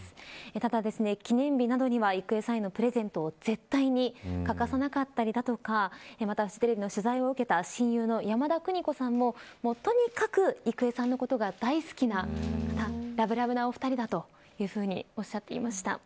ただ記念日などには郁恵さんへのプレゼントを絶対に欠かさなかったりだとかテレビの取材を受けた親友の山田邦子さんもとにかく郁恵さんのことが大好きなラブラブなお二人だというふうにおっしゃっていました。